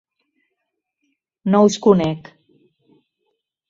-No us conec.